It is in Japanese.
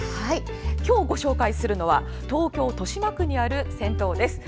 今日ご紹介するのは東京・豊島区にある銭湯です。